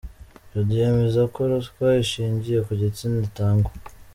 Jody yemeza ko ruswa ishingiye ku gitsina itangwa.